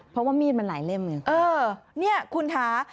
เพราะว่ามีดมันหลายเล่มอย่างงี้เออเนี้ยคุณฐา